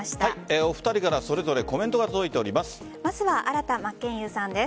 お二人から、それぞれコメントが届いております。